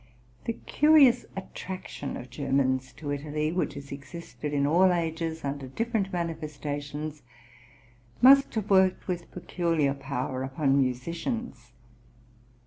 The curious attraction of Germans to Italy, which has existed in all ages under different manifestations, must have worked with peculiar power on musicians.